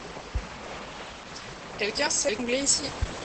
Quelqu'un sait l'anglais ici ?